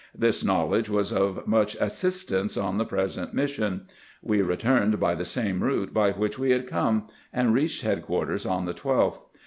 This knowledge was of much assistance on the present mission. We returned by the same route by which we had come, and reached headquarters on the 12th.